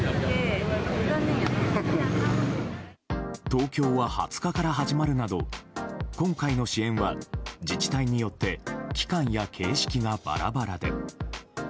東京は２０日から始まるなど今回の支援は自治体によって期間や形式がバラバラで。